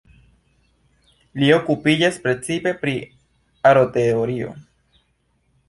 Li okupiĝas precipe pri aroteorio.